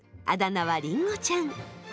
あだ名はりんごちゃん。